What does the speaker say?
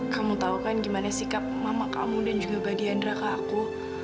kamu tahu kan gimana sikap mama kamu dan juga badiandra kak aku